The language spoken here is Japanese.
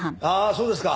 そうですか。